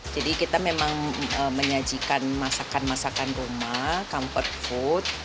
jadi kita memang menyajikan masakan masakan rumah comfort food